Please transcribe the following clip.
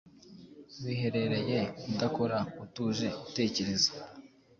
Wiherereye, udakora, utuje, utekereza,